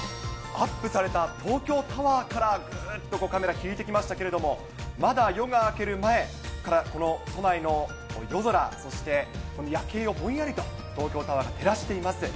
アップされた東京タワーから、ぐーっとカメラ、引いてきましたけれども、まだ夜が明ける前から、この都内の夜空、そしてこの夜景をぼんやりと東京タワーが照らしています。